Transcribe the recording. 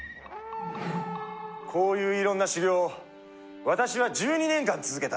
こういういろんな修行を私は１２年間続けた。